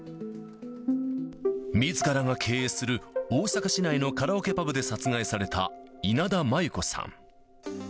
みずからが経営する大阪市内のカラオケパブで殺害された稲田真優子さん。